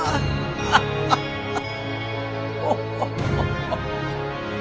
ハッハッハッ！